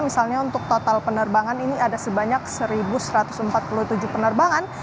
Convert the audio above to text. misalnya untuk total penerbangan ini ada sebanyak satu satu ratus empat puluh tujuh penerbangan